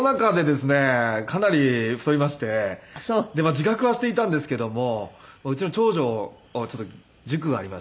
自覚はしていたんですけどもうちの長女をちょっと塾がありまして。